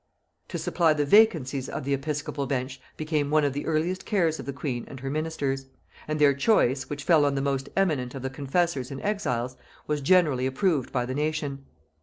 To supply the vacancies of the episcopal bench became one of the earliest cares of the queen and her ministers; and their choice, which fell on the most eminent of the confessors and exiles, was generally approved by the nation.